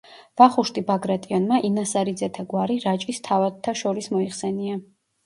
ვახუშტი ბაგრატიონმა ინასარიძეთა გვარი რაჭის თავადთა შორის მოიხსენია.